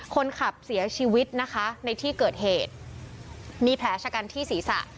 คนขับเสียชีวิตนะคะในที่เกิดเหตุมีแผลชะกันที่ศีรษะ